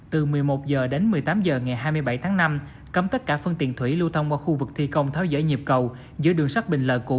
từ một mươi một h đến một mươi tám h ngày hai mươi bảy tháng năm cấm tất cả phương tiện thủy lưu thông qua khu vực thi công tháo dỡ nhịp cầu giữa đường sắt bình lợi cũ